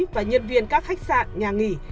và nhân viên các khách sạn nhà nghỉ